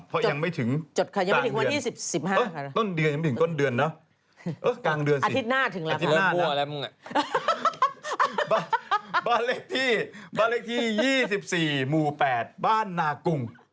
เพราะยังไม่ถึงกลางเดือนสิอาทิตย์หน้าถึงแล้วค่ะฮ่าบรรเลกที่๒๔หมู่๘บ้านหนากุ่ง